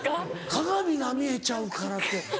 鏡が見えちゃうからって。